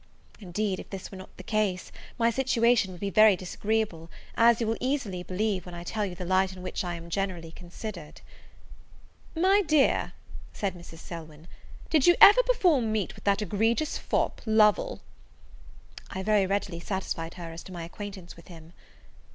Indeed, if this were not the case, my situation would be very disagreeable, as you will easily believe, when I tell you the light in which I am generally considered. "My dear," said Mrs. Selwyn, "did you ever before meet with that egregious fop, Lovel?" I very readily satisfied her as to my acquaintance with him.